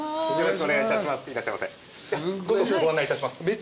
お願いします。